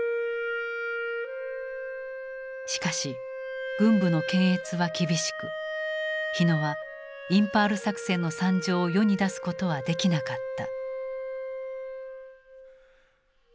しかし軍部の検閲は厳しく火野はインパール作戦の惨状を世に出すことはできなかった。